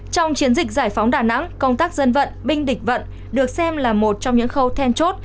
trong chiến dịch giải phóng đà nẵng công tác dân vận binh địch vận được xem là một trong những khâu then chốt